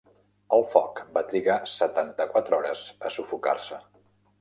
El foc va trigar setanta-quatre hores a sufocar-se.